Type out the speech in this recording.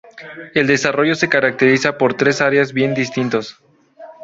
El desarrollo se caracteriza por tres áreas bien distintos.